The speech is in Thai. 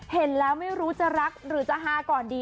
เห็นแล้วไม่รู้จะรักหรือจะฮาก่อนดี